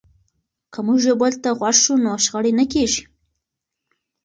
که موږ یو بل ته غوږ شو نو شخړې نه کېږي.